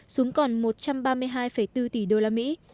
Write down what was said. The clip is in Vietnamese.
xuống còn một trăm ba mươi hai bảy so với cùng kỳ năm ngoái